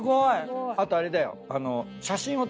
あとあれだよ。